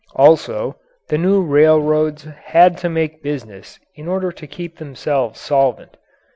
Also, the new railroads had to make business in order to keep themselves solvent.